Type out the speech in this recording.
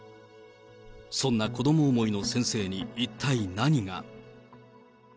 そんな子ども思いの先生に一体何が。